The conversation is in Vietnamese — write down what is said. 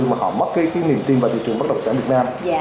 mà họ mất cái niềm tin vào thị trường bất động sản việt nam